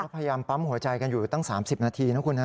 พยายามปั๊มหัวใจกันอยู่ตั้ง๓๐นาทีนะคุณนะ